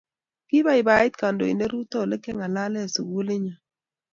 Kibaibait kandoindet Ruto olekiangalale sikuli nyo.